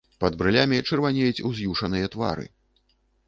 Пад брылямі чырванеюць уз'юшаныя твары.